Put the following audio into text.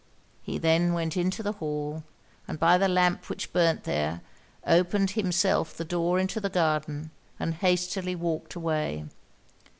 He then went into the hall; and by the lamp which burnt there, opened himself the door into the garden, and hastily walked away.